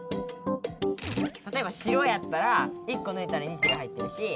たとえば白やったら１こぬいたら「日」が入ってるし。